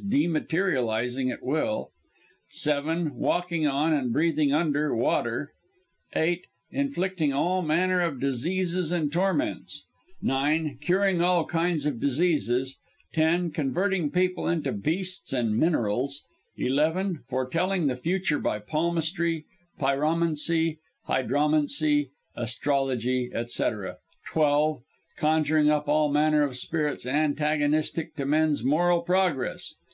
_ dematerializing at will; (7) walking on, and breathing under, water; (8) inflicting all manner of diseases and torments; (9) curing all kinds of diseases; (10) converting people into beasts and minerals; (11) foretelling the future by palmistry, pyromancy, hydromancy, astrology, etc.; (12) conjuring up all manner of spirits antagonistic to men's moral progress, _i.e.